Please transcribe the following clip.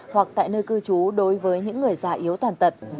hoặc tại nơi cư trú đối với những người già yếu tàn tật